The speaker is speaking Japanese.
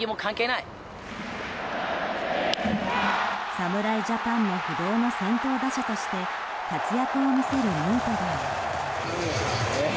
侍ジャパンに不動の先頭打者として活躍を見せるヌートバー。